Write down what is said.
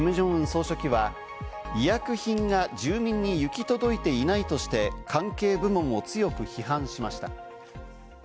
総書記は医薬品が住民に行き届いていないとして、関係部門を強く批判しました。